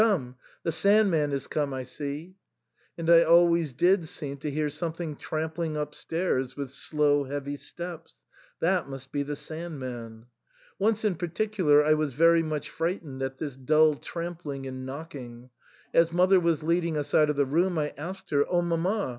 Come ! The * Sand man ' is come I see." And I always did seem to hear something tramp ling upstairs with slow heavy steps ; that must be the Sand man. Once in particular I was very much fright ened at this dull trampling and knocking ; as mother was leading us out of the room I asked her, " O mamma